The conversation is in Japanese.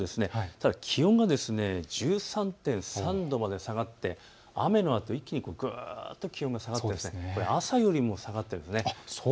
ただ気温が１３．３度まで下がって雨のあと一気にぐっと気温が下がってこれ朝よりも下がってるんです。